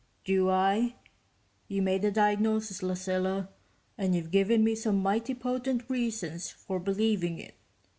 "Do I? You made the diagnosis, Lucilla, and you've given me some mighty potent reasons for believing it